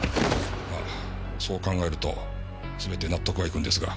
まぁそう考えると全て納得がいくんですが。